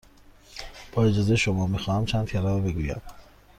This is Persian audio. با اجازه شما، می خواهم چند کلمه بگویم.